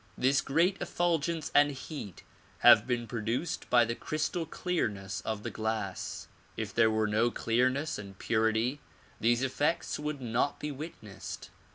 This great effulgence and heat have been produced by the crystal clearness of the glass. If there were no clearness and purity these effects would not be witnessed.